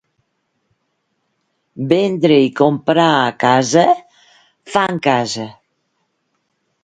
Vendre i comprar a casa, fan casa.